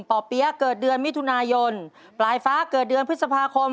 เปี๊ยะเกิดเดือนมิถุนายนปลายฟ้าเกิดเดือนพฤษภาคม